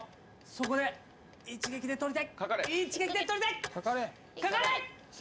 そこで一撃で取りたい一撃で取りたいかかれ！